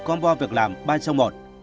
combo việc làm ba trong một